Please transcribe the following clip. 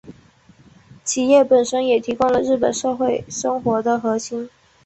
企业本身也提供了日本社会生活的核心。